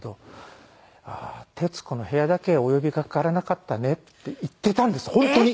「ああ『徹子の部屋』だけお呼びがかからなかったね」って言っていたんです本当に。